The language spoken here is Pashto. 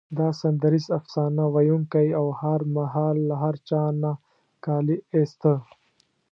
دا سندریز افسانه ویونکی او هر مهال له هر چا نه کالي ایسته.